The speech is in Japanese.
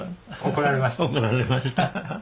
怒られました。